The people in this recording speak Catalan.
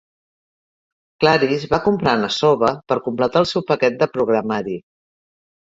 Claris va comprar Nashoba per completar el seu paquet de programari.